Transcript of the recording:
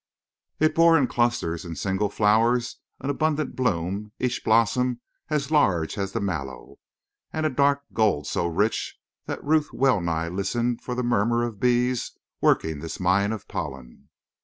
It bore in clusters and single flowers and abundant bloom, each blossom as large as the mallow, and a dark gold so rich that Ruth well nigh listened for the murmur of bees working this mine of pollen.